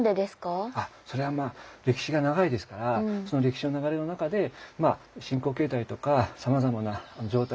それは歴史が長いですからその歴史の流れの中で信仰形態とかさまざまな環境でですね